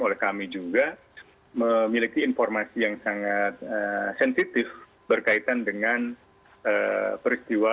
oleh kami juga memiliki informasi yang sangat sensitif berkaitan dengan peristiwa